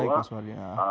baik mas waliah